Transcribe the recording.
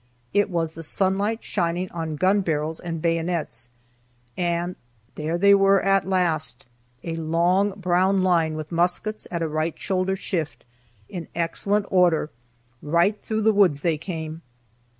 It was the sunlight shining on gun barrels and bayonets and there they were at last! A long brown line, with muskets at a right shoulder shift, in excellent order, right through the woods they came.